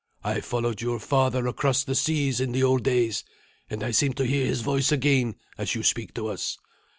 I followed your father across the seas in the old days, and I seem to hear his voice again as you speak to us.